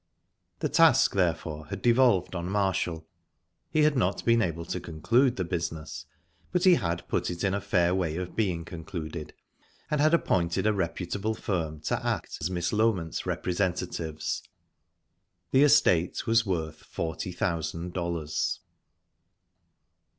The task, therefore, had devolved on Marshall. He had not been able to conclude the business, but he had put it in a fair way of being concluded, and had appointed a reputable firm to act as Miss Loment's representatives. The estate was worth forty thousand dollars.